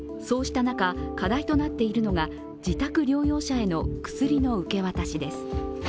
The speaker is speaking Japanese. そうした中、課題となっているのが自宅療養者への薬の受け渡しです。